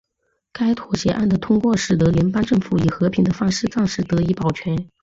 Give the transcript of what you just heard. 该妥协案的通过使得联邦政府以和平的方式暂时得以保全。